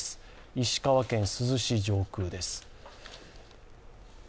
石川県珠洲市上空です。